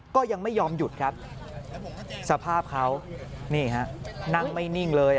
ก็ยังไม่ยอมหยุดครับสภาพเขานี่ฮะนั่งไม่นิ่งเลย